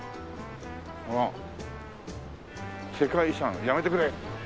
「世界遺産」「やめてくれぇ」